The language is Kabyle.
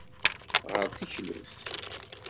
Ɣer teklut.